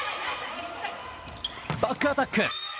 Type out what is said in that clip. バックアタック！